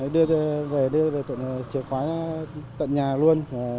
đưa về chìa khóa tận nhà luôn